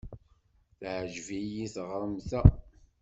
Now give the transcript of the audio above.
Teɛjeb-iyi teɣremt-a.